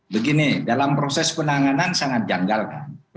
begini dalam proses penanganan sangat janggal kan